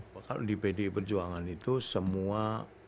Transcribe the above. kalau di pdi perjuangan itu semua